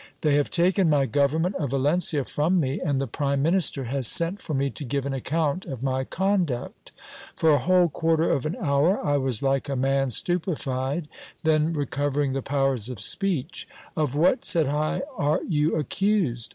They have taken my government of Yalencia from me, and the prime minister has sent for me to give an account of my conduct. For a whole quarter of an hour I was like a man stupified ; then recovering the powers of speech : Of what, said I, are you accused